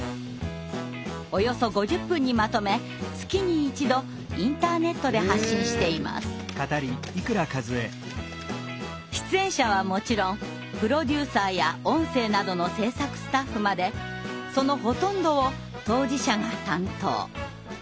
およそ５０分にまとめ月に１度出演者はもちろんプロデューサーや音声などの制作スタッフまでそのほとんどを当事者が担当。